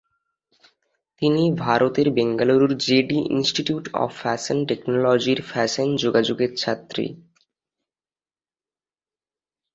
তিনি ভারতের বেঙ্গালুরুর জেডি ইনস্টিটিউট অফ ফ্যাশন টেকনোলজির ফ্যাশন যোগাযোগের ছাত্রী।